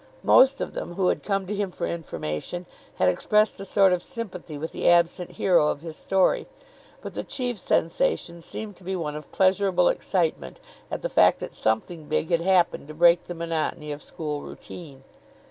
Most of them who had come to him for information had expressed a sort of sympathy with the absent hero of his story, but the chief sensation seemed to be one of pleasurable excitement at the fact that something big had happened to break the monotony of school routine.